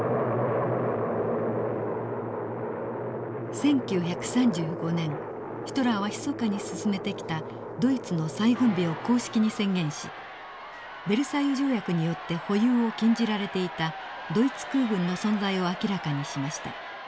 １９３５年ヒトラーはひそかに進めてきたドイツの再軍備を公式に宣言しベルサイユ条約によって保有を禁じられていたドイツ空軍の存在を明らかにしました。